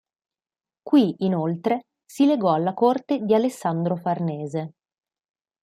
Qui, inoltre, si legò alla corte di Alessandro Farnese.